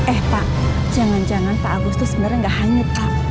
eh pak jangan jangan pak agus tuh sebenernya gak hanyut pak